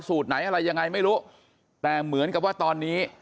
ไหนอะไรยังไงไม่รู้แต่เหมือนกับว่าตอนนี้